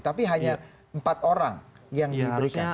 tapi hanya empat orang yang diberikan